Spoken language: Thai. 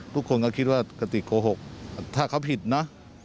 ทุกคนก็คิดว่ากระติกโกหกถ้าเขาผิดนะ